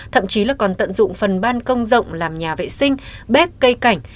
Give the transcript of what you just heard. thậm chí là còn tận dụng phần ban công rộng làm nhà vệ sinh bếp cây cảnh